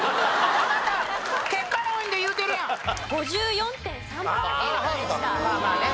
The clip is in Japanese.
ああまあまあね。